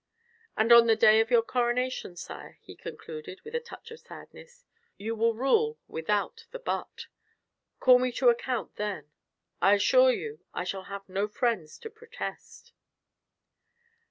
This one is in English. "And on the day of your coronation, sire," he concluded, with a touch of sadness, "you will rule without the but. Call me to account then; I assure you I shall have no friends to protest."